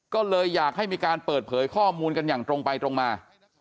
ก็เลยอยากให้มีการเปิดเผยข้อมูลกันอย่างตรงไปตรงมา